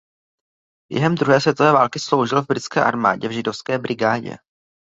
Během druhé světové války sloužil v britské armádě v Židovské brigádě.